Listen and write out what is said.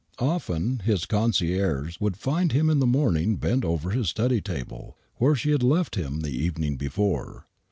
Often his concierge would find him in the morning bent over his study table, where she had left him the evening before.